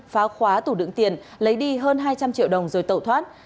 phá khóa tủ đựng tiền lấy đi hơn hai trăm linh triệu đồng rồi tẩu thoát